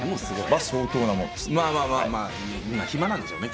まあ、暇なんでしょうね。